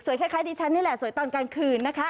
คล้ายดิฉันนี่แหละสวยตอนกลางคืนนะคะ